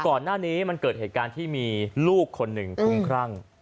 ก่อนหน้านี้มันเกิดเหตุการณ์ที่มีลูกคนหนึ่งคุ้มครั่ง